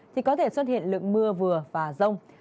thì có thể xuất hiện lượng mưa vừa và rông